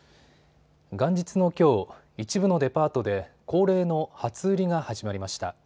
元日のきょう一部のデパートで恒例の初売りが始まりました。